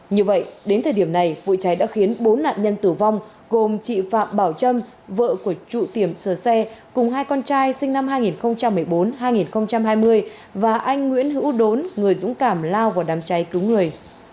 như vậy đến thời điểm này vụ cháy đã khiến bốn nạn nhân tử vong gồm chị phạm bảo trâm vợ của trụ tiệm sửa xe cùng hai con trai sinh năm hai nghìn một mươi bốn hai nghìn hai mươi và anh nguyễn hữu đốn người dũng cảm lao vào đám cháy cứu người